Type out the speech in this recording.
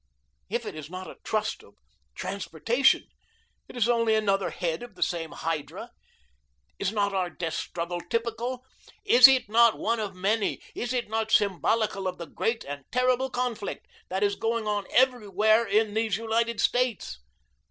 If it is not a Trust of transportation, it is only another head of the same Hydra. Is not our death struggle typical? Is it not one of many, is it not symbolical of the great and terrible conflict that is going on everywhere in these United States?